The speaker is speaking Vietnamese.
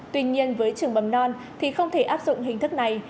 tuy nhiên với trường mầm non thì không thể áp dụng hình thức này